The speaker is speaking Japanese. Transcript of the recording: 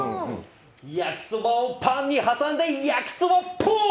焼きそばをパンに挟んで焼きそばポーン！